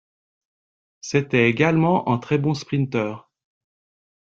C'était également un très bon sprinteur.